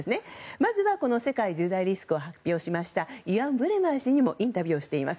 まずは世界１０大リスクを発表しましたイアン・ブレマー氏にもインタビューしています。